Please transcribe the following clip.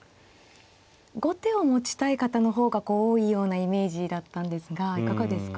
後手を持ちたい方の方が多いようなイメージだったんですがいかがですか。